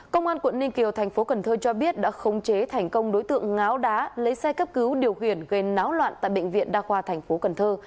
công an quận ninh kiều thành phố cần thơ cho biết đã khống chế thành công đối tượng ngáo đá lấy xe cấp cứu điều khiển gây náo loạn tại bệnh viện đa khoa thành phố cần thơ